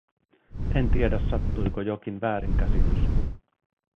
En tiedä, sattuiko jokin väärinkäsitys.